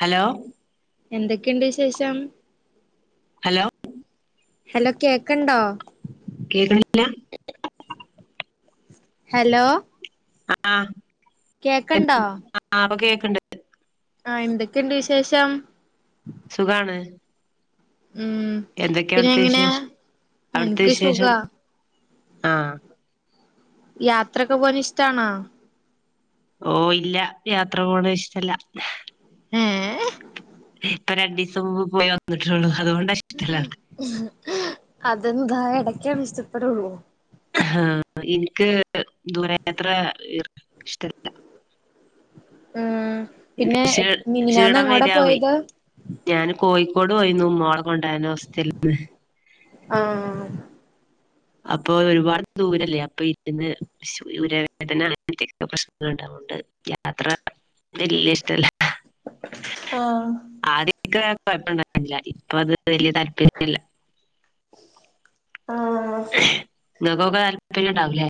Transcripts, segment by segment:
Hello എന്തൊക്കെണ്ട് വിശേഷം hello hello കേക്കണ്ടോ? കേൾക്ക്ണില്ല ഹലോ ആ കേക്കണ്ടോ [unintelligible] കേക്ക്ണ്ട് ആഹ എന്തൊക്കെയുണ്ട് വിശേഷം സുഖാണ് ഉം എന്തൊക്കെയാ പിന്നെ അവിടുത്തെ എങ്ങനെയാ വിശേഷം എന്ക്ക് സുഖ ആഹ യാത്രൊക്കെ പോവാൻ ഇഷ്ടണോ? ഓ ഇല്ല യാത്ര പോണ ഇഷ്ടല്ല. ഏഹ് ഇപ്പൊ രണ്ടീസം മുമ്പ് പോയി വന്നിട്ടെള്ളു അതുകൊണ്ട് അതെന്താ എടക്കെ ഇഷ്ടപ്പെടുള്ളൂ. ആഹ എനിക്ക് ദൂരയാത്ര ഇഷ്ടല്ല. ആ പിന്നെ ക്ഷീ മിനിഞ്ഞാന്ന് ക്ഷീണം എങ്ങോടെ വരാവേ പോയത് ഞാന് കോഴിക്കോട് പോയിരുന്നു മോളെ കൊണ്ടരാൻ ഹോസ്റ്റല്ന്ന് ആഹ അപ്പൊ ഒരുപാട് ദൂരല്ലേ അപ്പൊ ഇരുന്ന് രവേദന [unintelligible] [unintelligible] യാത്ര വല്ല്യ ഇഷ്ടല്ല ആഹ ആദ്യ ക്കെ കുഴപ്പണ്ടായില്ല ഇപ്പ അത് വലിയ താല്പര്യല്ല ആഹ ഇങ്ങക്കൊക്കെ താല്പര്യംണ്ടാവുല്ലേ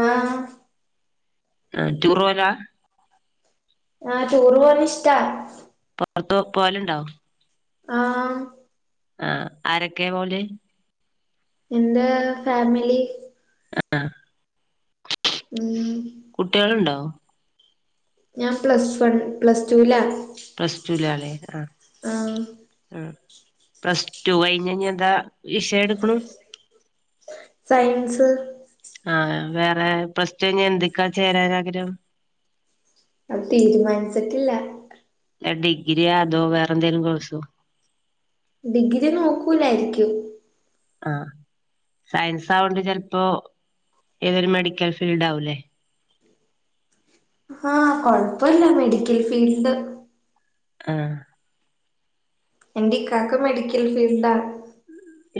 ആഹ ആ ടൂറെവല ആഹ് ടൂർ പോവാൻ ഇഷ്ടാ പുറത്തു പോലുണ്ടോ? ആഹ് ആ ആരൊക്കെ പോവൽ എന്റെ ഫാമിലി അ ആ ഉം കുട്ട്യേള്ണ്ടോ? ഞാൻ പ്ലസ് വൺ, പ്ലസ്ട്ടൂല പ്ലസ്ടുലാല്ലേ ആ ആഹ ആ പ്ലസ് ടു കഴിഞ്ഞ് ഇഞ്ഞന്താ വിഷയ എടുക്ക്ണു സയൻസ് ആ വേറെ പ്ലസ്ടു കൈഞ്ഞ എന്തിക്ക ചേരാൻ ആഗ്രഹം അത് തീരുമാനിച്ചിട്ടില്ല ലാ ഡിഗ്രിയ അതോ വേറെ എന്തെേലും കോഴ്സോ ഡിഗ്രി നോക്കൂലായിരിക്കും. ആ സയൻസ് ആവോണ്ട് ചിലപ്പോ ഏതെങ്കിലും മെഡിക്കൽ ഫീൽഡ് ആവൂല്ലേ? ആ കൊഴപ്പില്ല മെഡിക്കൽ ഫീൽഡ് ആ എൻ്റെ ഇക്കാക്ക് മെഡിക്കൽ ഫീൽഡാണ്.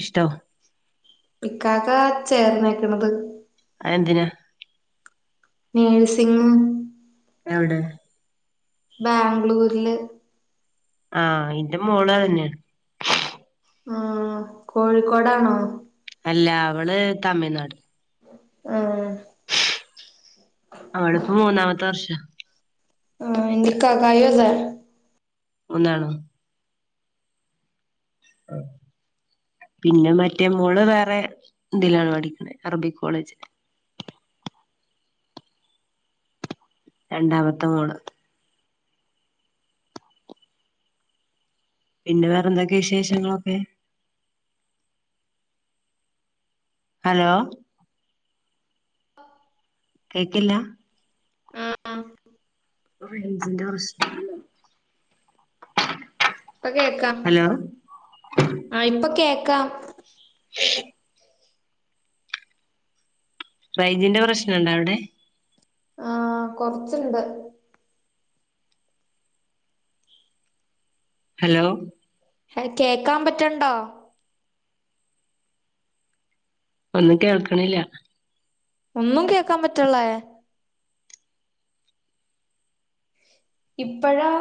ഇഷ്ടോ ഇക്കാക്ക ചേർന്നേക്കണത്. അതെന്തിനാ? നേഴ്സിംഗും എവടെ? ബാംഗ്ലൂരില്. ആഹ് ഇന്റെ മോളും അതന്നെയാണ്. ആ കോഴിക്കോടാണോ? അല്ല അവള് തമിഴ്നാട്. ആഹ അവളിപ്പോ മൂന്നാമത്തെ വർഷാ ആ എന്റെ ഇകാക്കയും അതെ. ഒന്നാണോ? ആഹ പിന്നെ മറ്റേ മോള് വേറെ ഇതിലാണ് പഠിക്കണ്. അറബിക് കോളേജ് രണ്ടാമത്തെ മോള്. പിന്നെ വേറെ എന്തൊക്കെ വിശേഷങ്ങളൊക്കെ? ഹലോ കേക്കില്ലാ. ആ ആ റെയ്ഞ്ചിന്റെ പ്രശ്നല്ലെ ഇപ്പൊ കേൾക്കാം. ഹലോ ആ ഇപ്പൊ കേക്കാം. ഉ [unintelligible] റേഞ്ചിന്റെ പ്രശ്നംണ്ടോ അവിടെ? ആ കൊറച്ച്ണ്ട്. ഹലോ കേക്കാൻ പറ്റണ്ടോ? ഒന്നും കേൾക്കണില്ല. ഒന്നും കേക്കാൻ പററ്ളേ? ഇപ്പഴോ?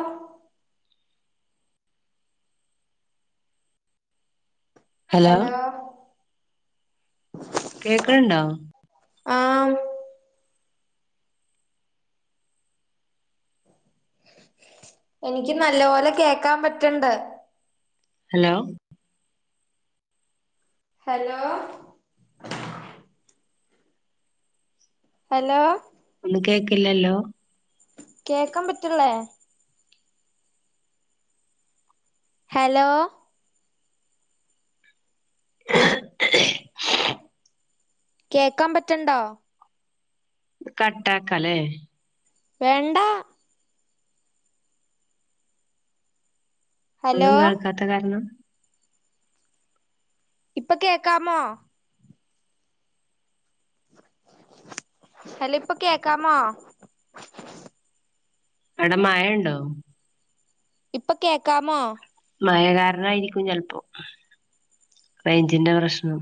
ഹലോ കേക്ക്ണണ്ടോ? ആഹ് എനിക്ക് നല്ല പോലെ കേക്കാൻ പറ്റണ്ട്. ഹലോ ഹലോ ഹലോ ഒന്നും കേക്കില്ലല്ലോ? കേക്കാൻ പറ്റ്ളേ? ഹലോ കേക്കാൻ പറ്റണ്ടോ? കട്ടാക്കല്ലേ? വേണ്ട ഒന്നും ഹലോ കേൾക്കാത്ത കാർണം ഇപ്പൊ കേക്കാമോ ഹലോ ഇപ്പൊ കേക്കാമോ അവ്ടെ മഴണ്ടോ ഇപ്പൊ കേക്കാമോ മഴകാരനായിരിക്കും ചെൽപ്പോ റൈഞ്ചിന്റെ പ്രശ്നം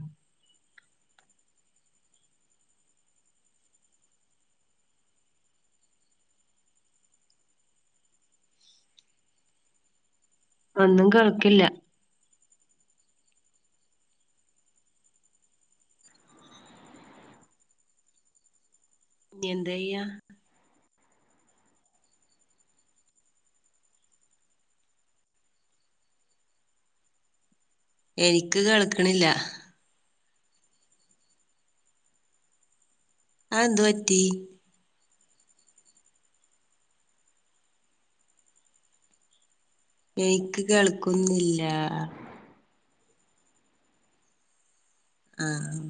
ഒന്നും കേൾക്കില്ല നി എന്തയ്യ എനിക്ക് കേൾക്ക്ണ്ല്ല ആ എന്ത് പറ്റി എനിക്ക് കേൾക്കുന്നില്ല ആഹ് ആഹ്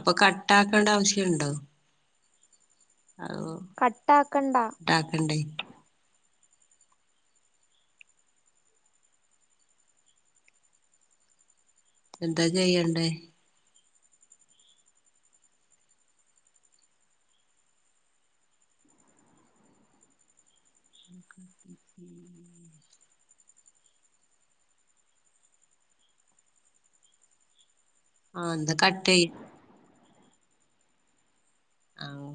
അപ്പൊ കട്ടാക്കേണ്ട ആവശ്യണ്ടോ [unintelligible] കട്ടാക്കണ്ട ട്ടാക്കണ്ടേ എന്താ ചെയ്യണ്ടേ [unintelligible] ആഹ് ന്ത കട്ടയി ആഹ്